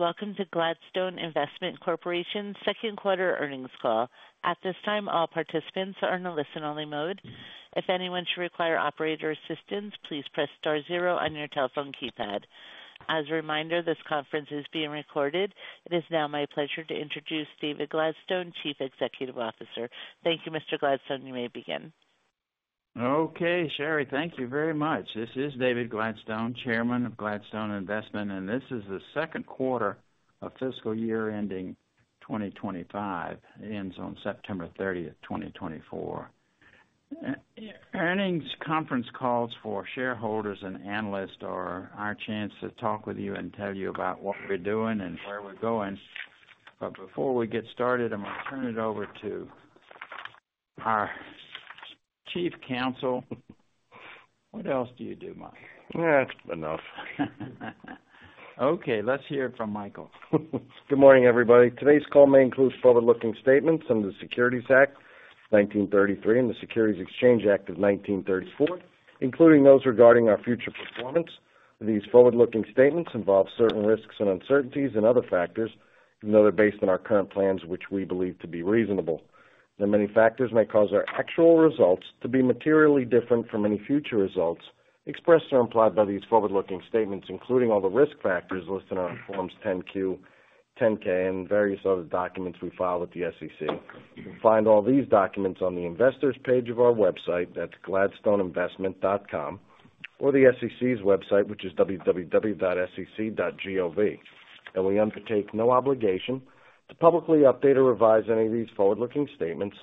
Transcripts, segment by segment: Welcome to Gladstone Investment Corporation's second quarter earnings call. At this time, all participants are in a listen-only mode. If anyone should require operator assistance, please press star zero on your telephone keypad. As a reminder, this conference is being recorded. It is now my pleasure to introduce David Gladstone, Chief Executive Officer. Thank you, Mr. Gladstone. You may begin. Okay, Sherry, thank you very much. This is David Gladstone, Chairman of Gladstone Investment, and this is the second quarter of fiscal year ending 2025. It ends on September 30th, 2024. Earnings conference calls for shareholders and analysts are our chance to talk with you and tell you about what we're doing and where we're going. But before we get started, I'm going to turn it over to our Chief Counsel. What else do you do, Mike? That's enough. Okay, let's hear it from Michael. Good morning, everybody. Today's call may include forward-looking statements under the Securities Act of 1933 and the Securities Exchange Act of 1934, including those regarding our future performance. These forward-looking statements involve certain risks and uncertainties and other factors, even though they're based on our current plans, which we believe to be reasonable. There are many factors that may cause our actual results to be materially different from any future results expressed or implied by these forward-looking statements, including all the risk factors listed on Forms 10-Q, 10-K, and various other documents we file with the SEC. You can find all these documents on the investors' page of our website at gladstoneinvestment.com or the SEC's website, which is www.sec.gov. And we undertake no obligation to publicly update or revise any of these forward-looking statements,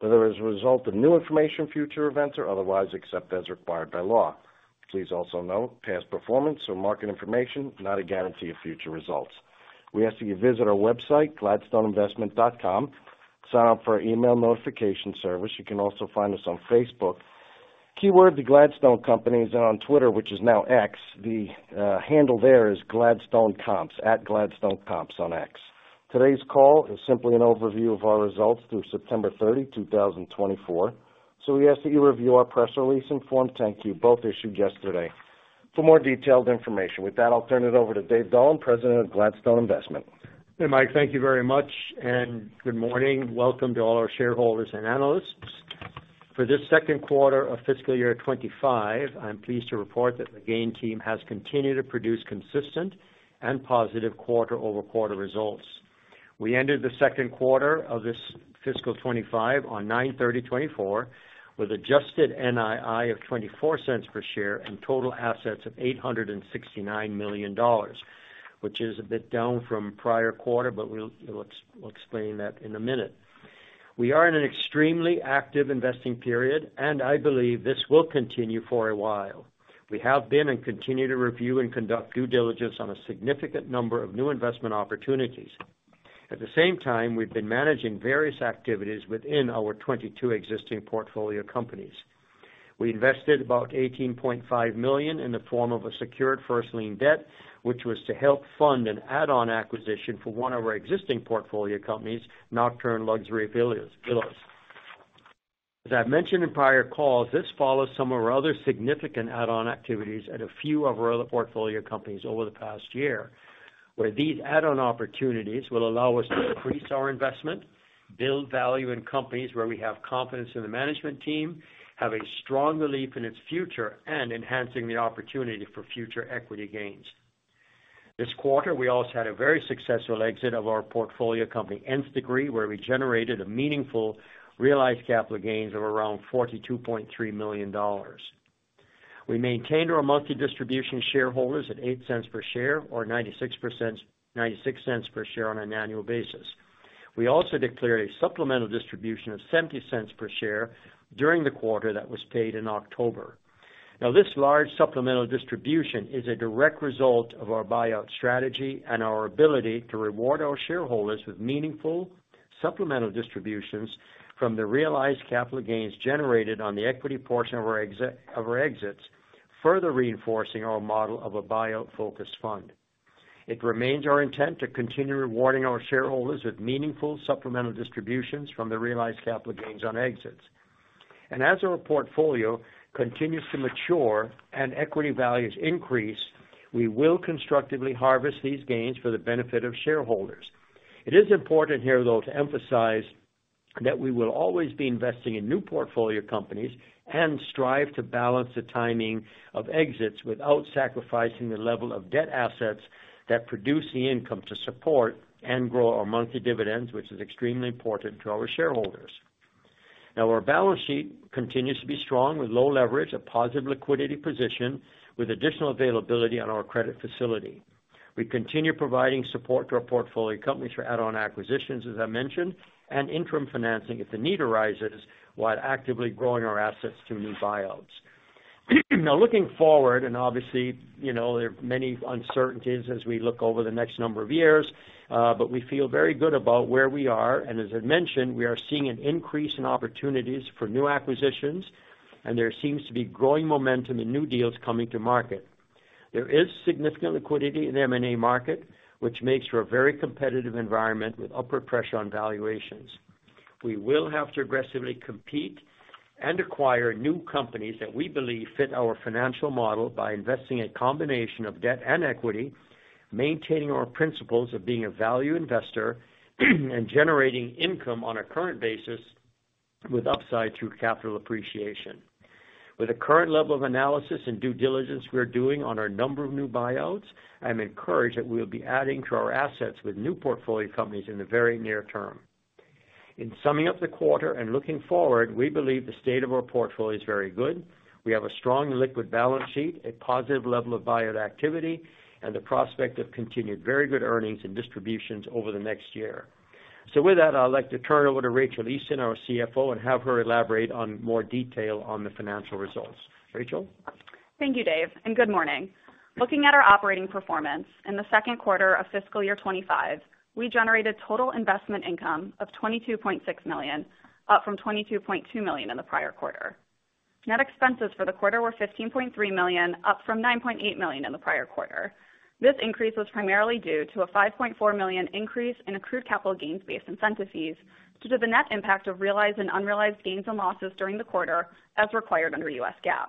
whether as a result of new information, future events, or otherwise, except as required by law. Please also note past performance or market information is not a guarantee of future results. We ask that you visit our website, gladstoneinvestment.com, sign up for our email notification service. You can also find us on Facebook, keyword the Gladstone Companies, and on Twitter, which is now X. The handle there is Gladstone Comps at Gladstone Comps on X. Today's call is simply an overview of our results through September 30, 2024, so we ask that you review our press release and Form 10-Q, both issued yesterday, for more detailed information. With that, I'll turn it over to Dave Dullum, President of Gladstone Investment. Hey, Mike, thank you very much and good morning. Welcome to all our shareholders and analysts. For this second quarter of fiscal year 2025, I'm pleased to report that the GAIN team has continued to produce consistent and positive quarter-over-quarter results. We ended the second quarter of this fiscal 2025 on 9/30/2024 with adjusted NII of $0.24 per share and total assets of $869 million, which is a bit down from prior quarter, but we'll explain that in a minute. We are in an extremely active investing period, and I believe this will continue for a while. We have been and continue to review and conduct due diligence on a significant number of new investment opportunities. At the same time, we've been managing various activities within our 22 existing portfolio companies. We invested about $18.5 million in the form of a secured first lien debt, which was to help fund an add-on acquisition for one of our existing portfolio companies, Nocturne Luxury Villas. As I've mentioned in prior calls, this follows some of our other significant add-on activities at a few of our other portfolio companies over the past year, where these add-on opportunities will allow us to increase our investment, build value in companies where we have confidence in the management team, have a strong belief in its future, and enhance the opportunity for future equity gains. This quarter, we also had a very successful exit of our portfolio company, Nth Degree, where we generated a meaningful realized capital gains of around $42.3 million. We maintained our monthly distribution to shareholders at $0.08 per share or $0.96 per share on an annual basis. We also declared a supplemental distribution of $0.70 per share during the quarter that was paid in October. Now, this large supplemental distribution is a direct result of our buyout strategy and our ability to reward our shareholders with meaningful supplemental distributions from the realized capital gains generated on the equity portion of our exits, further reinforcing our model of a buyout-focused fund. It remains our intent to continue rewarding our shareholders with meaningful supplemental distributions from the realized capital gains on exits. And as our portfolio continues to mature and equity values increase, we will constructively harvest these gains for the benefit of shareholders. It is important here, though, to emphasize that we will always be investing in new portfolio companies and strive to balance the timing of exits without sacrificing the level of debt assets that produce the income to support and grow our monthly dividends, which is extremely important to our shareholders. Now, our balance sheet continues to be strong with low leverage, a positive liquidity position with additional availability on our credit facility. We continue providing support to our portfolio companies for add-on acquisitions, as I mentioned, and interim financing if the need arises, while actively growing our assets through new buyouts. Now, looking forward, and obviously, you know, there are many uncertainties as we look over the next number of years, but we feel very good about where we are. As I mentioned, we are seeing an increase in opportunities for new acquisitions, and there seems to be growing momentum in new deals coming to market. There is significant liquidity in the M&A market, which makes for a very competitive environment with upward pressure on valuations. We will have to aggressively compete and acquire new companies that we believe fit our financial model by investing a combination of debt and equity, maintaining our principles of being a value investor, and generating income on a current basis with upside through capital appreciation. With the current level of analysis and due diligence we're doing on our number of new buyouts, I'm encouraged that we'll be adding to our assets with new portfolio companies in the very near term. In summing up the quarter and looking forward, we believe the state of our portfolio is very good. We have a strong liquid balance sheet, a positive level of buyout activity, and the prospect of continued very good earnings and distributions over the next year. So with that, I'd like to turn it over to Rachael Easton, our CFO, and have her elaborate on more detail on the financial results. Rachael? Thank you, Dave, and good morning. Looking at our operating performance in the second quarter of fiscal year 2025, we generated total investment income of $22.6 million, up from $22.2 million in the prior quarter. Net expenses for the quarter were $15.3 million, up from $9.8 million in the prior quarter. This increase was primarily due to a $5.4 million increase in accrued capital gains-based incentives due to the net impact of realized and unrealized gains and losses during the quarter, as required under U.S. GAAP.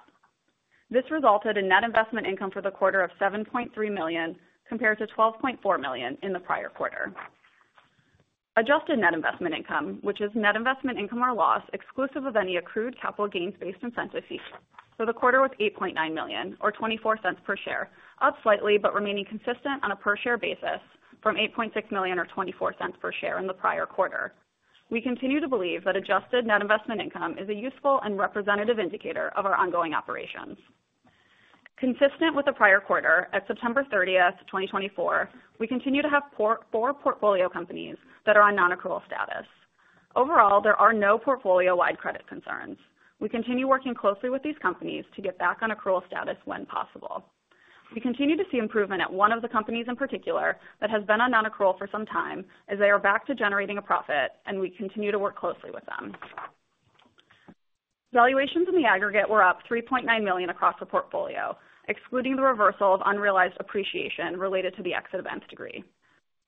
This resulted in net investment income for the quarter of $7.3 million compared to $12.4 million in the prior quarter. Adjusted net investment income, which is net investment income or loss exclusive of any accrued capital gains-based incentives, for the quarter was $8.9 million, or $0.24 per share, up slightly, but remaining consistent on a per-share basis from $8.6 million, or $0.24 per share, in the prior quarter. We continue to believe that adjusted net investment income is a useful and representative indicator of our ongoing operations. Consistent with the prior quarter, at September 30th, 2024, we continue to have four portfolio companies that are on non-accrual status. Overall, there are no portfolio-wide credit concerns. We continue working closely with these companies to get back on accrual status when possible. We continue to see improvement at one of the companies in particular that has been on non-accrual for some time, as they are back to generating a profit, and we continue to work closely with them. Valuations in the aggregate were up $3.9 million across the portfolio, excluding the reversal of unrealized appreciation related to the exit of Nth Degree.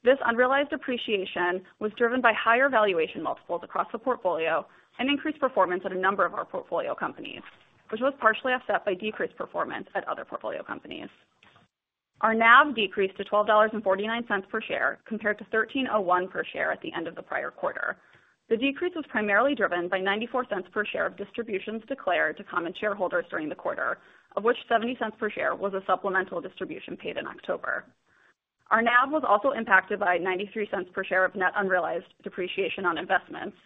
This unrealized appreciation was driven by higher valuation multiples across the portfolio and increased performance at a number of our portfolio companies, which was partially offset by decreased performance at other portfolio companies. Our NAV decreased to $12.49 per share compared to $13.01 per share at the end of the prior quarter. The decrease was primarily driven by $0.94 per share of distributions declared to common shareholders during the quarter, of which $0.70 per share was a supplemental distribution paid in October. Our NAV was also impacted by $0.93 per share of net unrealized depreciation on investments,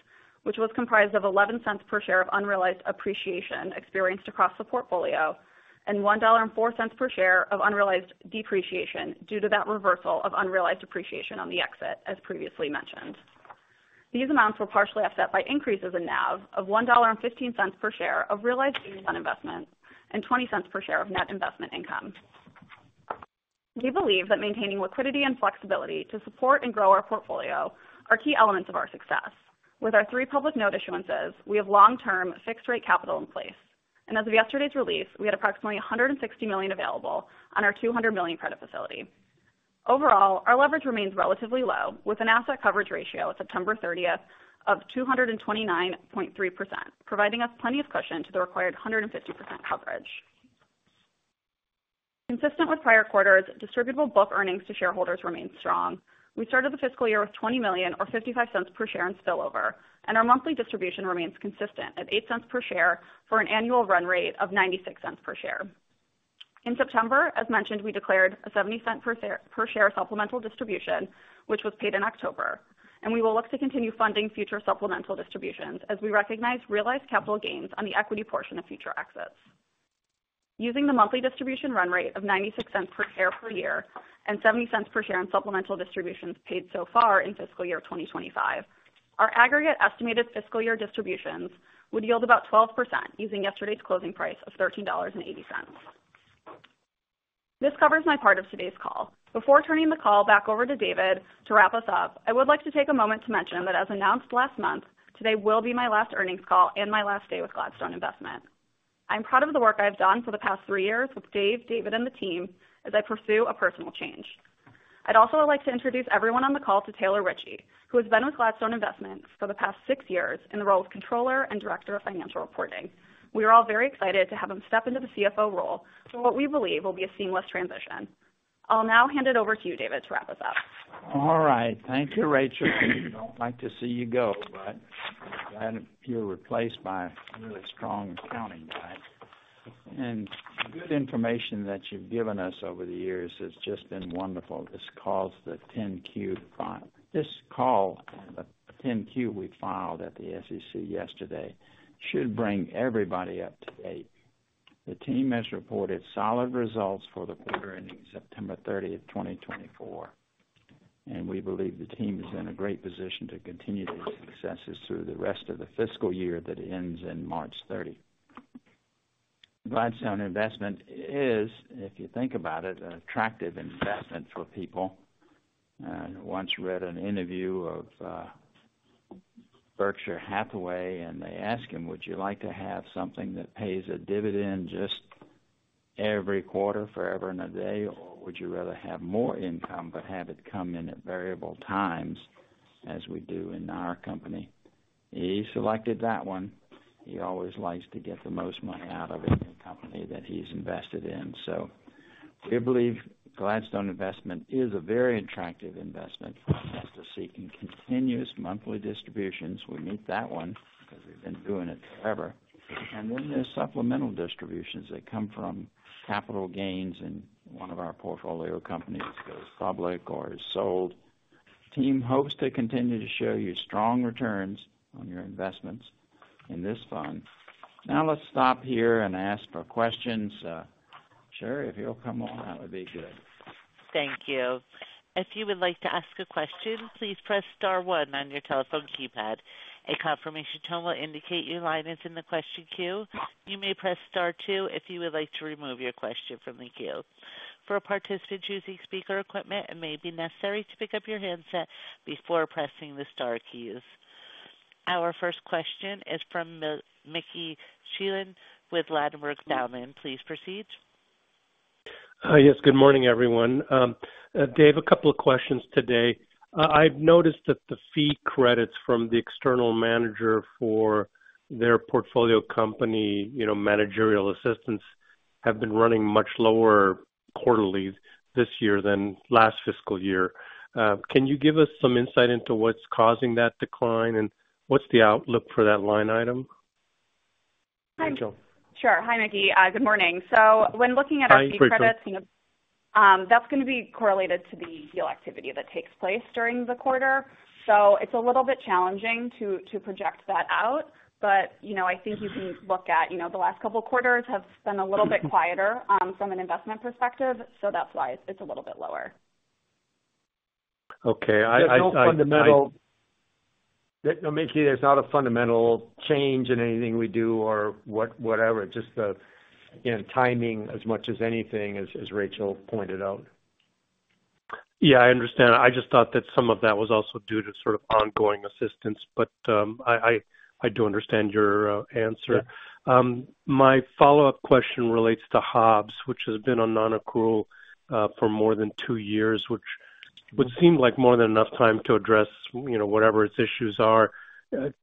which was comprised of $0.11 per share of unrealized appreciation experienced across the portfolio and $1.04 per share of unrealized depreciation due to that reversal of unrealized appreciation on the exit, as previously mentioned. These amounts were partially offset by increases in NAV of $1.15 per share of realized gains on investments and $0.20 per share of net investment income. We believe that maintaining liquidity and flexibility to support and grow our portfolio are key elements of our success. With our three public note issuances, we have long-term fixed-rate capital in place, and as of yesterday's release, we had approximately $160 million available on our $200 million credit facility. Overall, our leverage remains relatively low, with an asset coverage ratio at September 30th of 229.3%, providing us plenty of cushion to the required 150% coverage. Consistent with prior quarters, distributable book earnings to shareholders remain strong. We started the fiscal year with $20 million, or $0.55 per share in spillover, and our monthly distribution remains consistent at $0.08 per share for an annual run rate of $0.96 per share. In September, as mentioned, we declared a $0.70 per share supplemental distribution, which was paid in October, and we will look to continue funding future supplemental distributions as we recognize realized capital gains on the equity portion of future exits. Using the monthly distribution run rate of $0.96 per share per year and $0.70 per share in supplemental distributions paid so far in fiscal year 2025, our aggregate estimated fiscal year distributions would yield about 12% using yesterday's closing price of $13.80. This covers my part of today's call. Before turning the call back over to David to wrap us up, I would like to take a moment to mention that, as announced last month, today will be my last earnings call and my last day with Gladstone Investment. I'm proud of the work I've done for the past three years with Dave, David, and the team as I pursue a personal change. I'd also like to introduce everyone on the call to Taylor Ritchie, who has been with Gladstone Investment for the past six years in the role of controller and director of financial reporting. We are all very excited to have him step into the CFO role for what we believe will be a seamless transition. I'll now hand it over to you, David, to wrap us up. All right. Thank you, Rachael. I'd like to see you go, but I'm glad you're replaced by a really strong accounting guy, and the good information that you've given us over the years has just been wonderful. This call's the 10-Q filing. This call, the 10-Q we filed at the SEC yesterday, should bring everybody up to date. The team has reported solid results for the quarter ending September 30th, 2024, and we believe the team is in a great position to continue these successes through the rest of the fiscal year that ends in March 30th. Gladstone Investment is, if you think about it, an attractive investment for people. I once read an interview of Berkshire Hathaway, and they asked him, "Would you like to have something that pays a dividend just every quarter, forever and a day, or would you rather have more income but have it come in at variable times, as we do in our company?" He selected that one. He always likes to get the most money out of every company that he's invested in. So we believe Gladstone Investment is a very attractive investment as to seeking continuous monthly distributions. We meet that one because we've been doing it forever. And then there's supplemental distributions that come from capital gains in one of our portfolio companies that goes public or is sold. The team hopes to continue to show you strong returns on your investments in this fund. Now let's stop here and ask for questions. Sure, if you'll come on, that would be good. Thank you. If you would like to ask a question, please press star one on your telephone keypad. A confirmation tone will indicate your line is in the question queue. You may press star two if you would like to remove your question from the queue. For participants using speaker equipment, it may be necessary to pick up your handset before pressing the star keys. Our first question is from Mickey Schleien with Ladenburg Thalmann. Please proceed. Yes, good morning, everyone. Dave, a couple of questions today. I've noticed that the fee credits from the external manager for their portfolio company, you know, managerial assistants, have been running much lower quarterly this year than last fiscal year. Can you give us some insight into what's causing that decline and what's the outlook for that line item? Hi. Sure. Hi, Mickey. Good morning. So when looking at our fee credits, that's going to be correlated to the deal activity that takes place during the quarter. So it's a little bit challenging to project that out, but, you know, I think you can look at, you know, the last couple of quarters have been a little bit quieter from an investment perspective, so that's why it's a little bit lower. Okay. I thought fundamentally that, Mickey, there's not a fundamental change in anything we do or whatever, just the, you know, timing as much as anything, as Rachael pointed out. Yeah, I understand. I just thought that some of that was also due to sort of ongoing assistance, but I do understand your answer. My follow-up question relates to Hobbs, which has been on non-accrual for more than two years, which would seem like more than enough time to address, you know, whatever its issues are.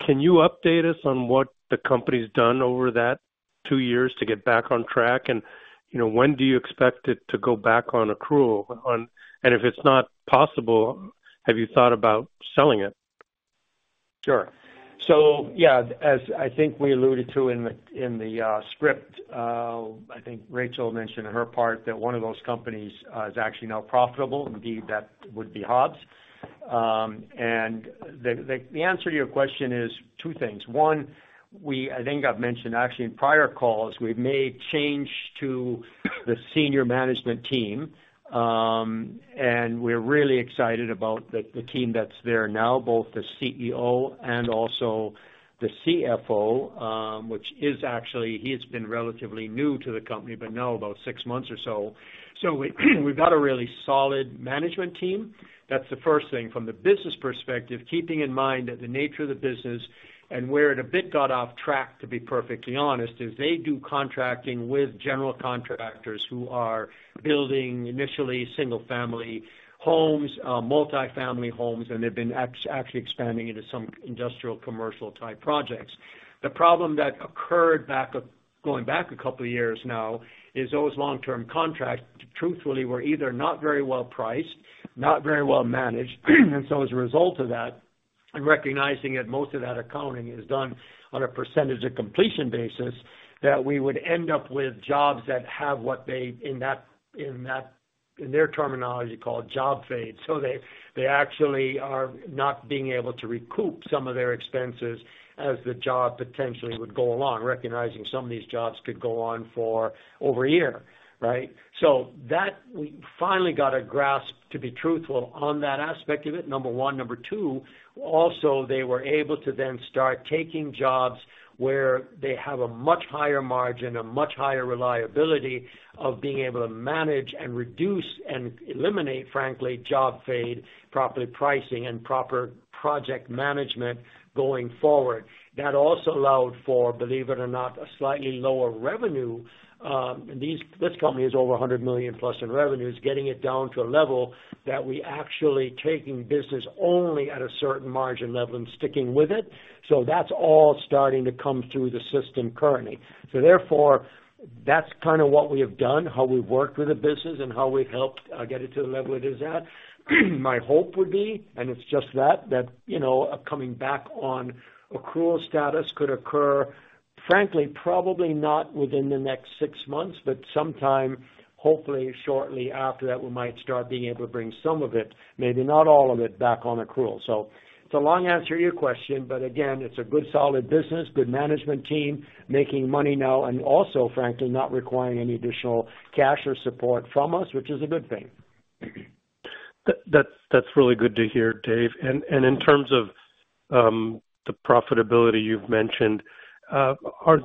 Can you update us on what the company's done over that two years to get back on track? And, you know, when do you expect it to go back on accrual? And if it's not possible, have you thought about selling it? Sure. So, yeah, as I think we alluded to in the script, I think Rachael mentioned in her part that one of those companies is actually now profitable. Indeed, that would be Hobbs. And the answer to your question is two things. One, we, I think I've mentioned actually in prior calls, we've made change to the senior management team, and we're really excited about the team that's there now, both the CEO and also the CFO, which is actually, he's been relatively new to the company, but now about six months or so. So we've got a really solid management team. That's the first thing. From the business perspective, keeping in mind that the nature of the business and where it a bit got off track, to be perfectly honest, is they do contracting with general contractors who are building initially single-family homes, multi-family homes, and they've been actually expanding into some industrial commercial-type projects. The problem that occurred back a couple of years now is those long-term contracts, truthfully, were either not very well priced, not very well managed, and so as a result of that, and recognizing that most of that accounting is done on a percentage of completion basis, that we would end up with jobs that have what they, in their terminology, called job fade. So they actually are not being able to recoup some of their expenses as the job potentially would go along, recognizing some of these jobs could go on for over a year, right? So that we finally got a grasp, to be truthful, on that aspect of it, number one. Number two, also, they were able to then start taking jobs where they have a much higher margin, a much higher reliability of being able to manage and reduce and eliminate, frankly, job fade, properly pricing, and proper project management going forward. That also allowed for, believe it or not, a slightly lower revenue. This company is over $100 million plus in revenues, getting it down to a level that we actually taking business only at a certain margin level and sticking with it. So that's all starting to come through the system currently. So therefore, that's kind of what we have done, how we've worked with the business, and how we've helped get it to the level it is at. My hope would be, and it's just that, you know, coming back on accrual status could occur, frankly, probably not within the next six months, but sometime, hopefully, shortly after that, we might start being able to bring some of it, maybe not all of it, back on accrual. So it's a long answer to your question, but again, it's a good, solid business, good management team, making money now, and also, frankly, not requiring any additional cash or support from us, which is a good thing. That's really good to hear, Dave. And in terms of the profitability you've mentioned, are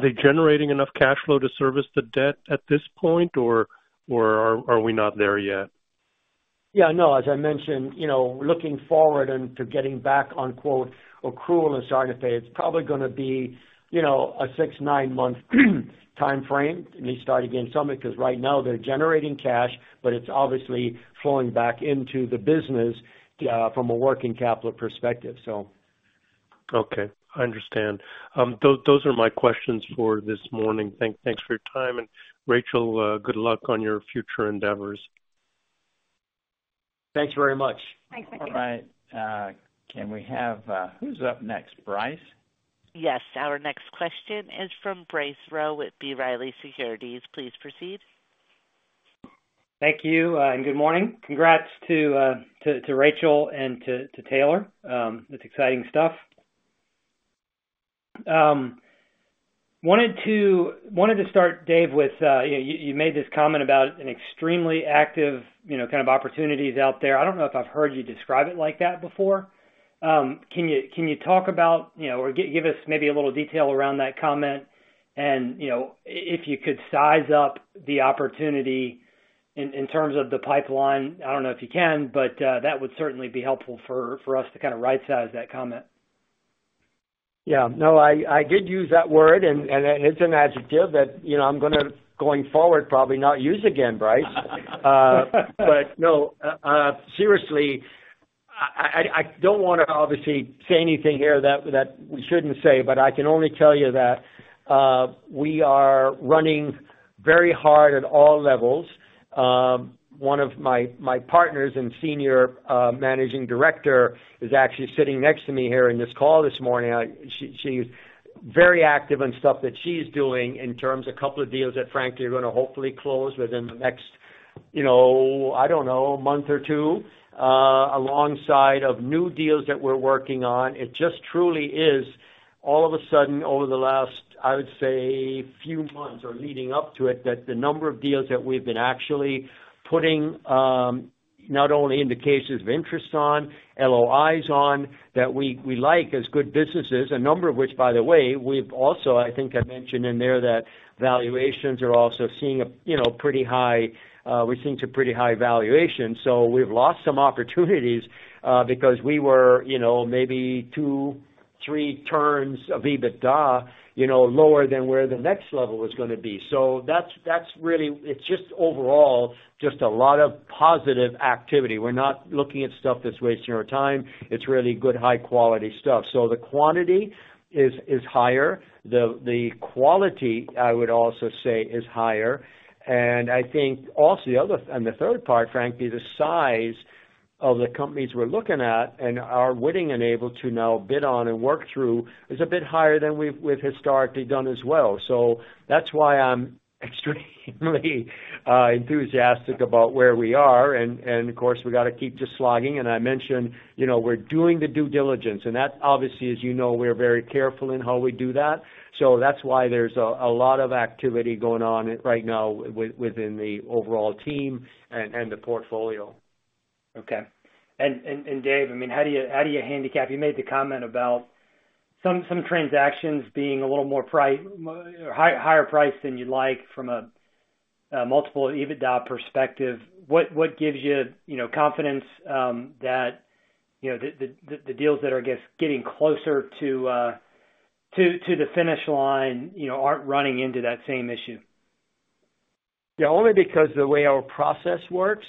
they generating enough cash flow to service the debt at this point, or are we not there yet? Yeah, no, as I mentioned, you know, looking forward to getting back on accrual and starting to pay, it's probably going to be, you know, a six- to nine-month time frame, at least starting to gain some because right now they're generating cash, but it's obviously flowing back into the business from a working capital perspective, so. Okay. I understand. Those are my questions for this morning. Thanks for your time. And Rachael, good luck on your future endeavors. Thanks very much. Thanks, Mike. All right. Can we have who's up next? Bryce? Yes. Our next question is from Bryce Rowe with B. Riley Securities. Please proceed. Thank you and good morning. Congrats to Rachael and to Taylor. It's exciting stuff. Wanted to start, Dave, with, you made this comment about an extremely active, you know, kind of opportunities out there. I don't know if I've heard you describe it like that before. Can you talk about, you know, or give us maybe a little detail around that comment and, you know, if you could size up the opportunity in terms of the pipeline? I don't know if you can, but that would certainly be helpful for us to kind of right-size that comment. Yeah. No, I did use that word, and it's an adjective that, you know, I'm going to, going forward, probably not use again, Bryce. But no, seriously, I don't want to obviously say anything here that we shouldn't say, but I can only tell you that we are running very hard at all levels. One of my partners and senior managing director is actually sitting next to me here in this call this morning. She's very active in stuff that she's doing in terms of a couple of deals that, frankly, are going to hopefully close within the next, you know, I don't know, month or two, alongside of new deals that we're working on. It just truly is, all of a sudden, over the last, I would say, few months or leading up to it, that the number of deals that we've been actually putting not only indications of interest on, LOIs on, that we like as good businesses, a number of which, by the way, we've also, I think I mentioned in there, that valuations are also seeing a, you know, pretty high, we're seeing some pretty high valuations. So we've lost some opportunities because we were, you know, maybe two, three turns of EBITDA, you know, lower than where the next level was going to be. So that's really, it's just overall just a lot of positive activity. We're not looking at stuff that's wasting our time. It's really good, high-quality stuff. So the quantity is higher. The quality, I would also say, is higher. I think also the other, and the third part, frankly, the size of the companies we're looking at and are willing and able to now bid on and work through is a bit higher than we've historically done as well. So that's why I'm extremely enthusiastic about where we are. Of course, we've got to keep just slogging. I mentioned, you know, we're doing the due diligence. That obviously, as you know, we're very careful in how we do that. So that's why there's a lot of activity going on right now within the overall team and the portfolio. Okay. And Dave, I mean, how do you handicap? You made the comment about some transactions being a little more higher priced than you'd like from a multiple EBITDA perspective. What gives you, you know, confidence that, you know, the deals that are, I guess, getting closer to the finish line, you know, aren't running into that same issue? Yeah, only because the way our process works,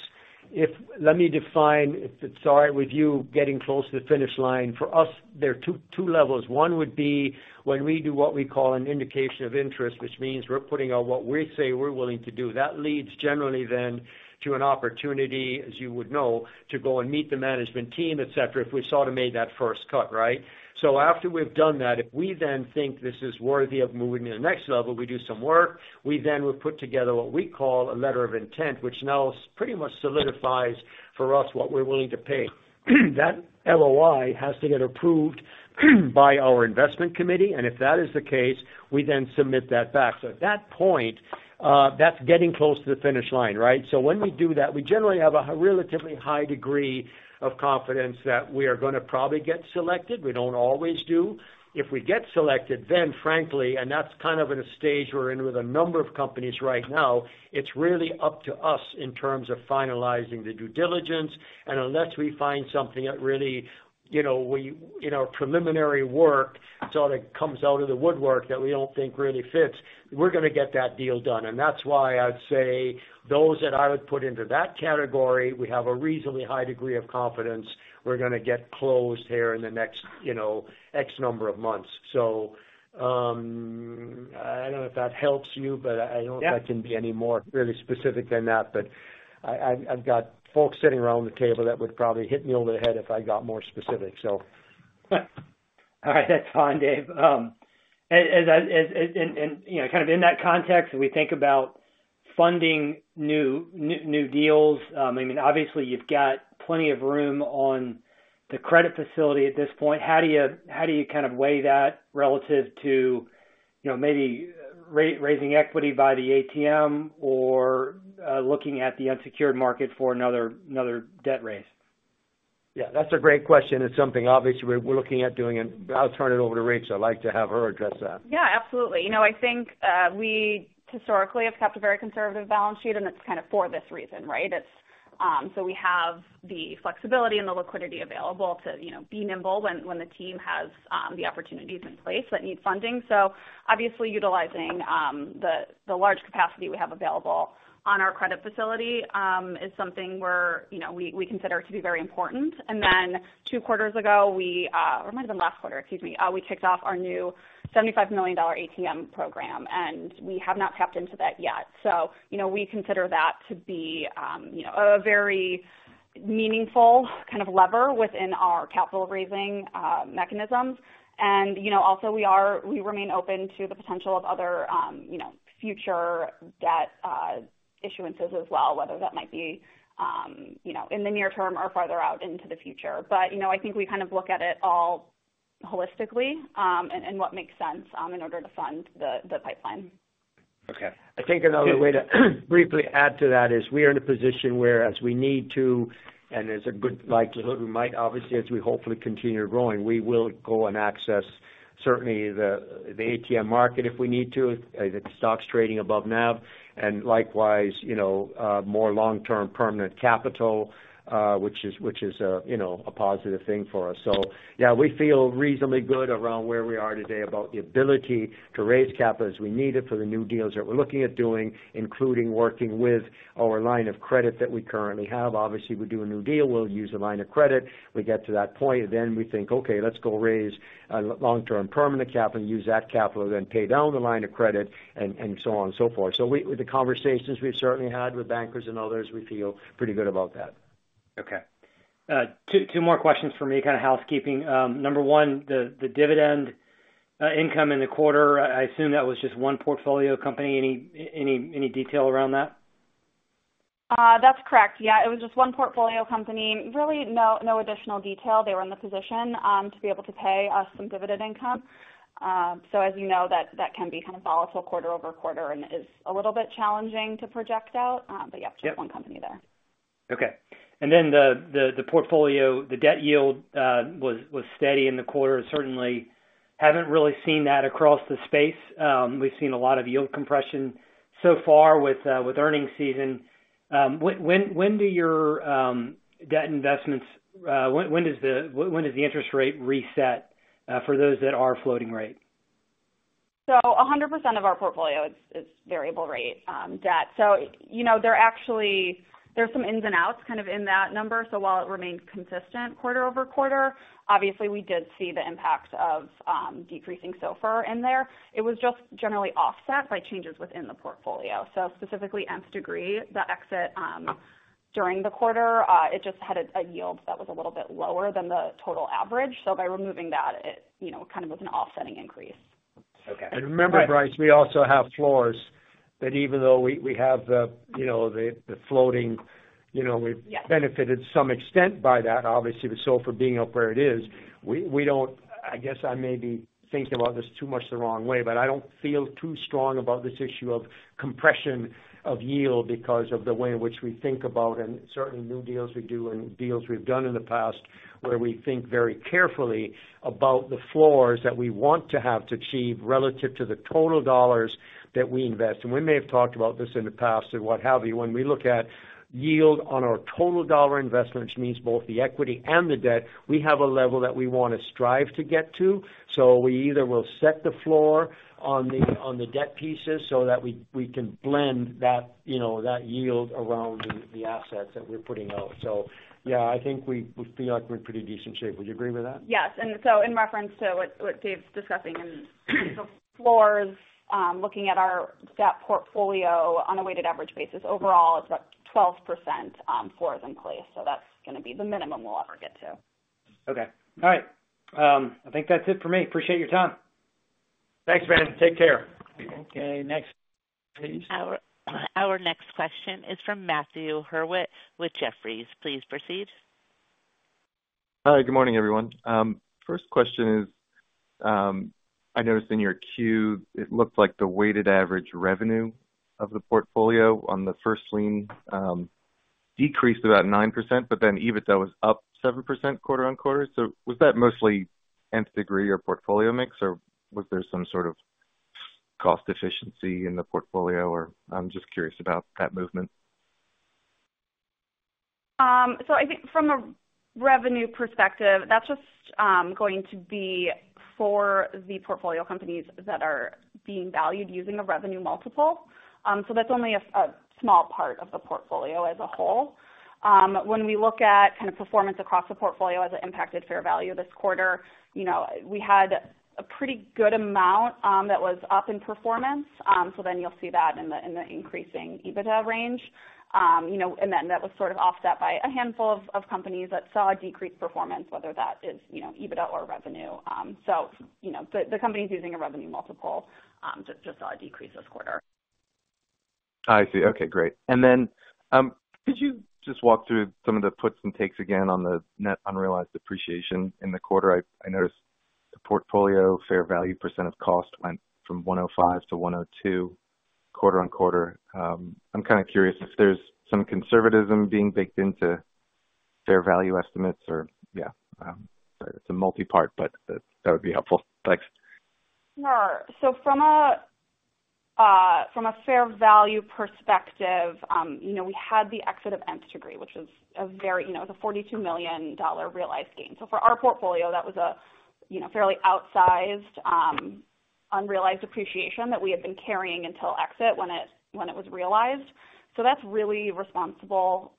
if let me define, if it's all right with you getting close to the finish line, for us, there are two levels. One would be when we do what we call an indication of interest, which means we're putting out what we say we're willing to do. That leads generally then to an opportunity, as you would know, to go and meet the management team, etc., if we sort of made that first cut, right? So after we've done that, if we then think this is worthy of moving to the next level, we do some work, we then will put together what we call a letter of intent, which now pretty much solidifies for us what we're willing to pay. That LOI has to get approved by our investment committee. And if that is the case, we then submit that back. So at that point, that's getting close to the finish line, right? So when we do that, we generally have a relatively high degree of confidence that we are going to probably get selected. We don't always do. If we get selected, then frankly, and that's kind of at a stage we're in with a number of companies right now, it's really up to us in terms of finalizing the due diligence. And unless we find something that really, you know, in our preliminary work, sort of comes out of the woodwork that we don't think really fits, we're going to get that deal done. And that's why I'd say those that I would put into that category, we have a reasonably high degree of confidence we're going to get closed here in the next, you know, X number of months. So I don't know if that helps you, but I don't know if I can be any more really specific than that, but I've got folks sitting around the table that would probably hit me over the head if I got more specific, so. All right. That's fine, Dave. And, you know, kind of in that context, we think about funding new deals. I mean, obviously, you've got plenty of room on the credit facility at this point. How do you kind of weigh that relative to, you know, maybe raising equity by the ATM or looking at the unsecured market for another debt raise? Yeah, that's a great question. It's something obviously we're looking at doing, and I'll turn it over to Rachael. I'd like to have her address that. Yeah, absolutely. You know, I think we historically have kept a very conservative balance sheet, and it's kind of for this reason, right? So we have the flexibility and the liquidity available to, you know, be nimble when the team has the opportunities in place that need funding. So obviously, utilizing the large capacity we have available on our credit facility is something where, you know, we consider it to be very important. And then two quarters ago, we might have been last quarter, excuse me, we kicked off our new $75 million ATM program, and we have not tapped into that yet. So, you know, we consider that to be, you know, a very meaningful kind of lever within our capital raising mechanisms. You know, also we remain open to the potential of other, you know, future debt issuances as well, whether that might be, you know, in the near term or farther out into the future. You know, I think we kind of look at it all holistically and what makes sense in order to fund the pipeline. Okay. I think another way to briefly add to that is we are in a position where as we need to, and there's a good likelihood we might, obviously, as we hopefully continue growing, we will go and access certainly the ATM market if we need to, if the stock's trading above NAV. And likewise, you know, more long-term permanent capital, which is, you know, a positive thing for us. So, yeah, we feel reasonably good around where we are today about the ability to raise capital as we need it for the new deals that we're looking at doing, including working with our line of credit that we currently have. Obviously, we do a new deal, we'll use a line of credit. We get to that point, then we think, okay, let's go raise long-term permanent capital, use that capital, then pay down the line of credit, and so on and so forth. So with the conversations we've certainly had with bankers and others, we feel pretty good about that. Okay. Two more questions for me, kind of housekeeping. Number one, the dividend income in the quarter, I assume that was just one portfolio company. Any detail around that? That's correct. Yeah, it was just one portfolio company. Really, no additional detail. They were in the position to be able to pay us some dividend income. So, as you know, that can be kind of volatile quarter over quarter and is a little bit challenging to project out. But yeah, just one company there. Okay. And then the portfolio, the debt yield was steady in the quarter. Certainly, haven't really seen that across the space. We've seen a lot of yield compression so far with earnings season. When do your debt investments, when does the interest rate reset for those that are floating rate? So 100% of our portfolio is variable rate debt. So, you know, there actually there's some ins and outs kind of in that number. So while it remained consistent quarter over quarter, obviously, we did see the impact of decreasing SOFR in there. It was just generally offset by changes within the portfolio. So specifically Nth Degree, the exit during the quarter, it just had a yield that was a little bit lower than the total average. So by removing that, it, you know, kind of was an offsetting increase. Okay. And remember, Bryce, we also have floors that even though we have the, you know, the floating, you know, we've benefited some extent by that, obviously, with SOFR being up where it is. We don't, I guess I may be thinking about this too much the wrong way, but I don't feel too strong about this issue of compression of yield because of the way in which we think about, and certainly new deals we do and deals we've done in the past where we think very carefully about the floors that we want to have to achieve relative to the total dollars that we invest. And we may have talked about this in the past and what have you. When we look at yield on our total dollar investment, which means both the equity and the debt, we have a level that we want to strive to get to. So we either will set the floor on the debt pieces so that we can blend that, you know, that yield around the assets that we're putting out. So, yeah, I think we feel like we're in pretty decent shape. Would you agree with that? Yes, and so in reference to what Dave's discussing and the floors, looking at our debt portfolio on a weighted average basis, overall, it's about 12% floors in place, so that's going to be the minimum we'll ever get to. Okay. All right. I think that's it for me. Appreciate your time. Thanks, man. Take care. Okay. Next, please. Our next question is from Matthew Hurwit with Jefferies. Please proceed. Hi. Good morning, everyone. First question is I noticed in your Q, it looked like the weighted average revenue of the portfolio on the first lien decreased about 9%, but then EBITDA was up 7% quarter on quarter. So was that mostly Nth Degree or portfolio mix, or was there some sort of cost efficiency in the portfolio? Or I'm just curious about that movement? So I think from a revenue perspective, that's just going to be for the portfolio companies that are being valued using a revenue multiple. So that's only a small part of the portfolio as a whole. When we look at kind of performance across the portfolio as it impacted fair value this quarter, you know, we had a pretty good amount that was up in performance. So then you'll see that in the increasing EBITDA range. You know, and then that was sort of offset by a handful of companies that saw a decreased performance, whether that is, you know, EBITDA or revenue. So, you know, the companies using a revenue multiple just saw a decrease this quarter. I see. Okay. Great. And then could you just walk through some of the puts and takes again on the net unrealized appreciation in the quarter? I noticed the portfolio fair value percent of cost went from 105% to 102% quarter on quarter. I'm kind of curious if there's some conservatism being baked into fair value estimates or, yeah, it's a multi-part, but that would be helpful. Thanks. Yeah. So from a fair value perspective, you know, we had the exit of Nth Degree, which was a very, you know, it was a $42 million realized gain. So for our portfolio, that was a, you know, fairly outsized unrealized appreciation that we had been carrying until exit when it was realized. So that's really responsible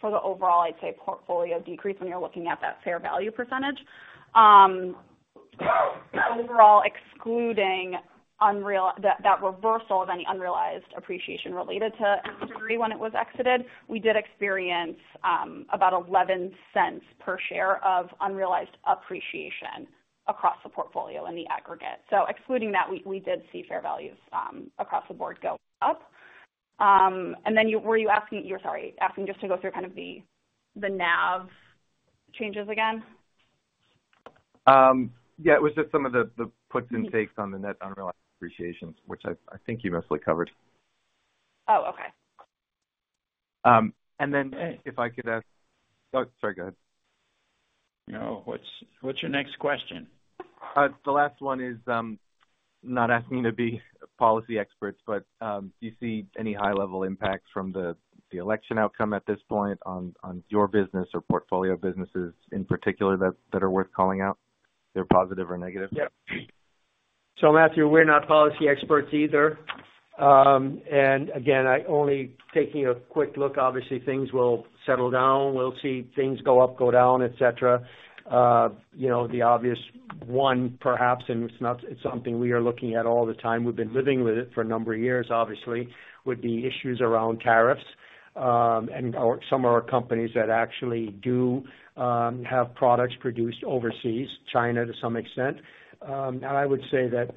for the overall, I'd say, portfolio decrease when you're looking at that fair value percentage. Overall, excluding that reversal of any unrealized appreciation related to Nth Degree when it was exited, we did experience about $0.11 per share of unrealized appreciation across the portfolio in the aggregate. So excluding that, we did see fair values across the board go up. And then were you asking, you're sorry, asking just to go through kind of the NAV changes again? Yeah. It was just some of the puts and takes on the net unrealized appreciation, which I think you mostly covered. Oh, okay. And then if I could ask, oh, sorry, go ahead. No, what's your next question? The last one is not asking you to be policy experts, but do you see any high-level impacts from the election outcome at this point on your business or portfolio businesses in particular that are worth calling out? They're positive or negative? Yeah. So Matthew, we're not policy experts either. And again, I'm only taking a quick look. Obviously, things will settle down. We'll see things go up, go down, etc. You know, the obvious one, perhaps, and it's not something we are looking at all the time. We've been living with it for a number of years, obviously. Would be issues around tariffs and some of our companies that actually do have products produced overseas, China to some extent. And I would say that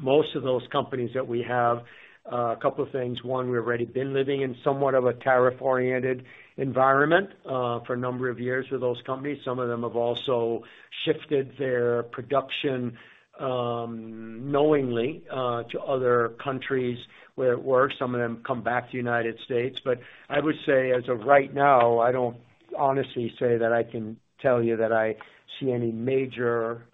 most of those companies that we have, a couple of things. One, we've already been living in somewhat of a tariff-oriented environment for a number of years with those companies. Some of them have also shifted their production knowingly to other countries where it works. Some of them come back to the United States. But I would say as of right now, I don't honestly say that I can tell you that I see any major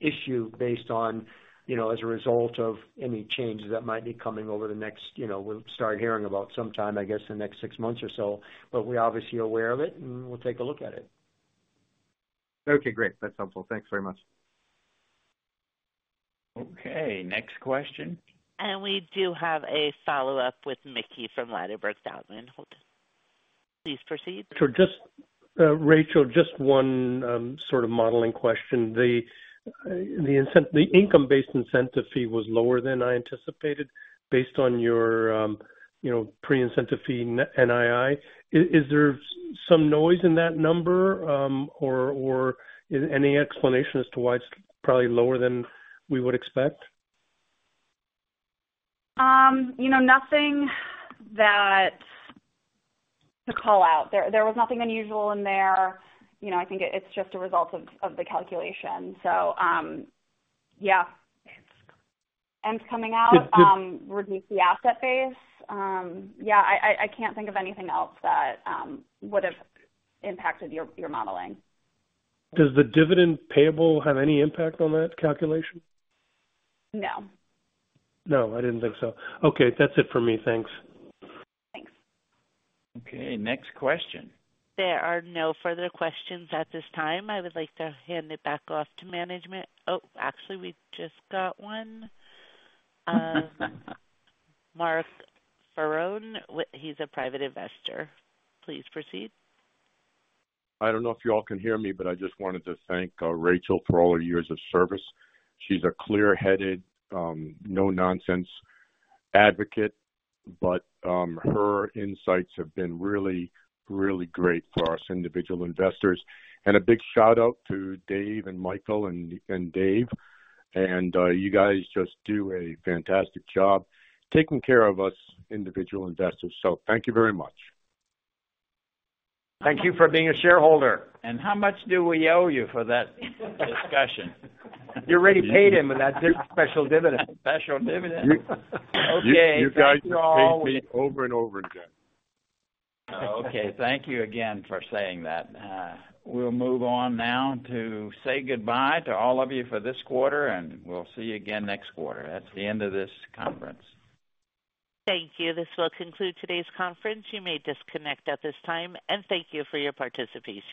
issue based on, you know, as a result of any changes that might be coming over the next, you know, we'll start hearing about sometime, I guess, the next six months or so. But we're obviously aware of it, and we'll take a look at it. Okay. Great. That's helpful. Thanks very much. Okay. Next question. We do have a follow-up with Mickey from Ladenburg Thalmann. Please proceed. Rachael, just one sort of modeling question. The income-based incentive fee was lower than I anticipated based on your, you know, pre-incentive fee NII. Is there some noise in that number, or any explanation as to why it's probably lower than we would expect? You know, nothing to call out. There was nothing unusual in there. You know, I think it's just a result of the calculation. So, yeah, Nth coming out reduced the asset base. Yeah, I can't think of anything else that would have impacted your modeling. Does the dividend payable have any impact on that calculation? No. No, I didn't think so. Okay. That's it for me. Thanks. Thanks. Okay. Next question. There are no further questions at this time. I would like to hand it back off to management. Oh, actually, we just got one. Mark Ferrone, he's a private investor. Please proceed. I don't know if you all can hear me, but I just wanted to thank Rachael for all her years of service. She's a clear-headed, no-nonsense advocate, but her insights have been really, really great for us individual investors. And a big shout-out to Dave and Michael and Dave. And you guys just do a fantastic job taking care of us individual investors. So thank you very much. Thank you for being a shareholder. How much do we owe you for that discussion? You already paid him with that special dividend. Special dividend. Okay. You guys paid me over and over again. Okay. Thank you again for saying that. We'll move on now to say goodbye to all of you for this quarter, and we'll see you again next quarter. That's the end of this conference. Thank you. This will conclude today's conference. You may disconnect at this time, and thank you for your participation.